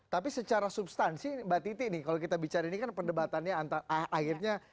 tapi secara substansi mbak titi nih kalau kita bicara ini kan perdebatannya antara akhirnya